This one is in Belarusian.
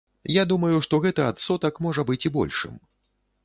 Я думаю, што гэты адсотак можа быць і большым.